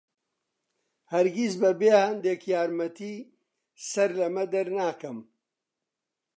هەرگیز بەبێ هەندێک یارمەتی سەر لەمە دەرناکەم.